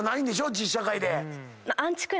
実社会で。